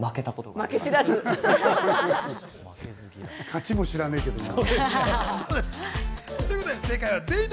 勝ちも知らねぇけどな。